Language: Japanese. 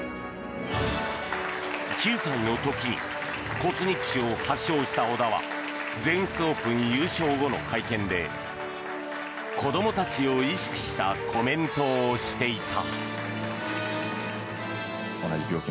９歳の時に骨肉腫を発症した小田は全仏オープン優勝後の会見で子どもたちを意識したコメントをしていた。